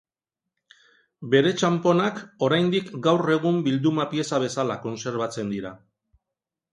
Bere txanponak oraindik gaur egun bilduma pieza bezala kontserbatzen dira.